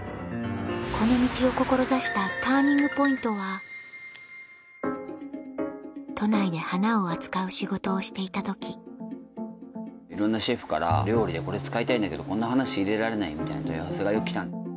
この道を志したＴＵＲＮＩＮＧＰＯＩＮＴは都内でいろんなシェフから料理でこれ使いたいんだけどこんな花仕入れられない？みたいな問い合わせがよく来た。